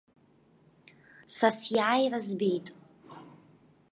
Са сиааира збеит!